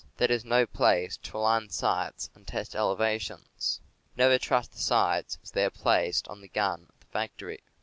That is no place to align sights and test ele vations. Never trust the sights as they are placed on the gun at the factory.